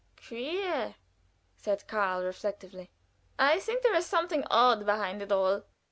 "Queer!" said Karl, reflectively. "I think there is something odd behind it all."